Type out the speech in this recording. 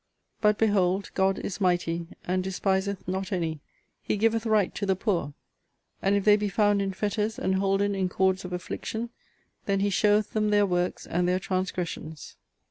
But behold God is mighty, and despiseth not any. He giveth right to the poor and if they be found in fetters, and holden in cords of affliction, then he showeth them their works and their transgressions.